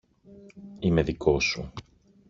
Είμαι δικός σου